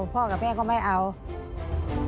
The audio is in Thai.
พ่อกับแม่ก็ไม่อาจได้